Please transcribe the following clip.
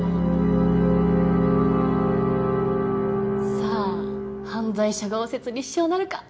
さあ犯罪者顔説立証なるか！